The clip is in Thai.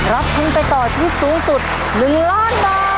รับทุนไปต่อชีวิตสูงสุด๑ล้านบาท